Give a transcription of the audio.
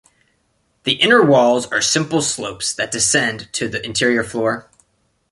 The inner walls are simple slopes that descend to the interior floor.